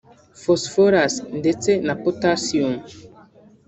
phosphorus ndetse na potassium